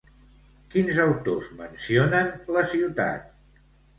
Quins autors mencionen la ciutat?